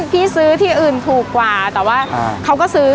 ซื้อที่อื่นถูกกว่าแต่ว่าเขาก็ซื้อ